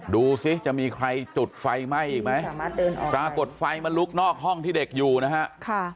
ดูสิจะมีใครจุดไฟไหม้อีกไหมปรากฏไฟมันลุกนอกห้องที่เด็กอยู่นะฮะ